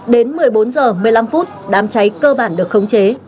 đến một mươi bốn h một mươi năm phút đám cháy cơ bản được khống chế